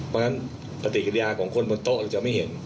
เพราะฉะนั้นปฏิกิริยาของคนบนโต๊ะจะไม่เห็น